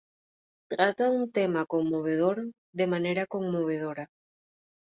Trata un tema conmovedor de manera conmovedora.